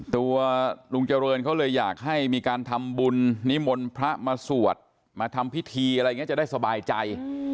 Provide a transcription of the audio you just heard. ตัวลุงเจริญเขาเลยอยากให้มีการทำบุญนิมนต์พระมาสวดมาทำพิธีอะไรอย่างนี้จะได้สบายใจ